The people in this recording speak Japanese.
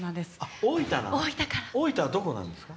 大分のどこなんですか？